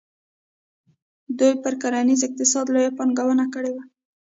دوی پر کرنیز اقتصاد لویه پانګونه کړې وه.